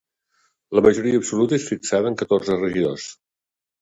La majoria absoluta és fixada en catorze regidors.